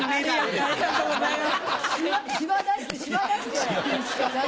ありがとうございます。